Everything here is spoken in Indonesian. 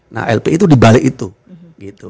nah lpi itu dibalik itu